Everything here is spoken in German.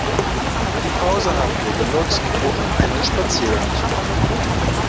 Die Pause haben wir genutzt, um einen Spaziergang zu machen.